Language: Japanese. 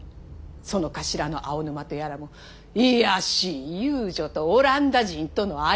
その頭の青沼とやらも卑しい遊女とオランダ人との合いの子！